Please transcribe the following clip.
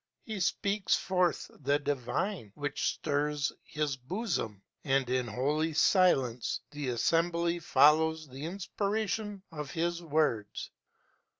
He speaks forth the Divine which stirs his bosom, and in holy silence the assembly follows the inspiration of his words.